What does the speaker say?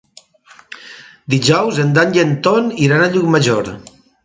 Dijous en Dan i en Ton iran a Llucmajor.